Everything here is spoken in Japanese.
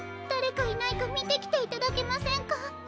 だれかいないかみてきていただけませんか？